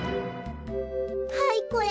はいこれ。